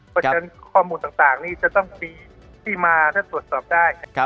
เพราะฉะนั้นข้อมูลต่างนี้จะต้องมีที่มาถ้าตรวจสอบได้